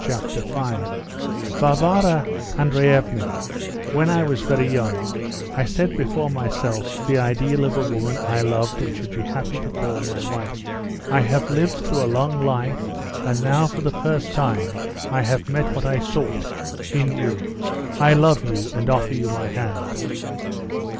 Chapter 5 "Varvara Andreevna, when I was very young, I set before myself the ideal of the woman I loved and should be happy to call my wife. I have lived through a long life, and now for the first time I have met what I sought—in you. I love you, and offer you my hand."